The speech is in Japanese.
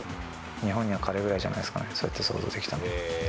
日本には彼ぐらいじゃないですかね、そうやって想像できたのは。